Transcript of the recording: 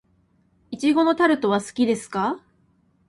苺のタルトは好きですか。